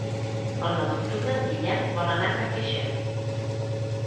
El nou d'octubre en Guillem vol anar a Carcaixent.